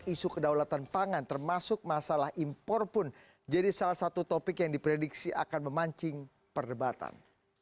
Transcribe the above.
isu kedaulatan pangan termasuk masalah impor pun jadi salah satu topik yang diprediksi akan memancing perdebatan